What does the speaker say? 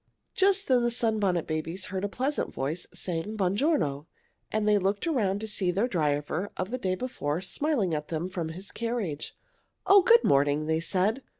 Just then the Sunbonnet Babies heard a pleasant voice saying, "Buon giorno!" and they looked around to see their driver of the day before smiling at them from his carriage. "Oh, good morning!" they said.